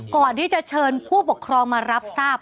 ก่อนที่จะเชิญผู้ปกครองมารับทราบ